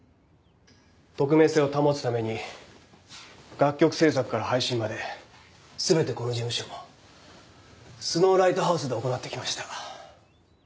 匿名性を保つために楽曲制作から配信まで全てこの事務所スノウライトハウスで行ってきました。